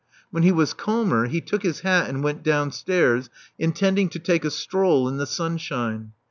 When he was calmer, he took his hat and went downstairs, intend ing to take a stroll in the sunshine.